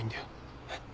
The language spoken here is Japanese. えっ？